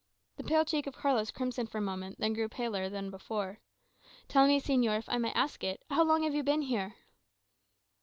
The pale cheek of Carlos crimsoned for a moment, then grew paler than before. "Tell me, señor, if I may ask it, how long have you been here?"